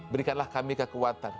berikanlah kami kekuatan